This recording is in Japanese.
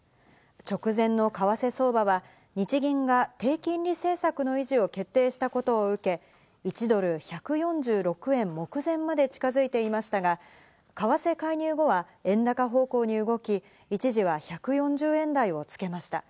直前の為替相場は日銀が低金利政策の維持を決定したことを受け、１ドル＝１４６円目前まで近づいていましたが、為替介入後は円高方向に動き、一時は１４０円台をつけました。